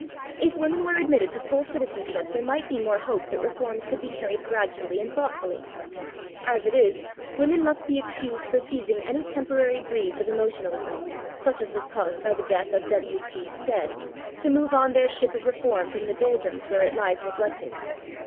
If women were admitted to full citizenship there might be more hope that reforms could be carried gradually and thoughtfully. As it is, women must be excused for seizing any temporary breeze of emotionalism (such as was caused by the death of W. T. Stead) to move on their ship of reform from the doldrums where it lies neglected.